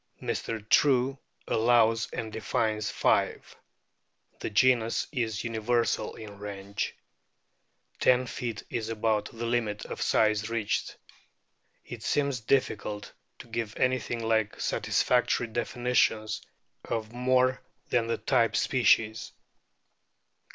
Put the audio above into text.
Mr. True allows and defines five. The genus is universal in range. Ten feet is about the limit of size reached. It seems difficult to give anything like satisfactory definitions of more than the type species.